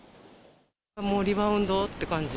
もうリバウンドって感じ。